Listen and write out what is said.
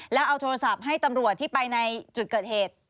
แล้วเอาโทรศัพท์ให้ตำรวจที่ไปในจุดเกิดเหตุ